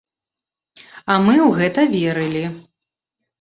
А мы ў гэта верылі.